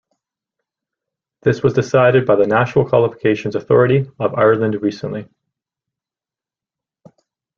This was decided by the National Qualifications Authority of Ireland recently.